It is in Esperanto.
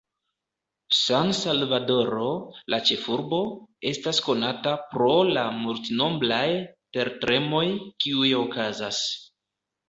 San-Salvadoro, la ĉefurbo, estas konata pro la multnombraj tertremoj kiuj okazas.